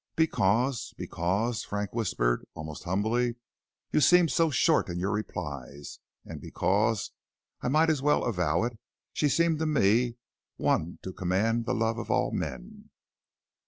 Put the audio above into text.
"Because because," Frank whispered almost humbly, "you seemed so short in your replies, and because, I might as well avow it, she seems to me one to command the love of all men."